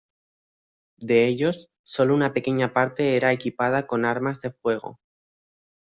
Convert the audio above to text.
De ellos, sólo una pequeña parte era equipada con armas de fuego.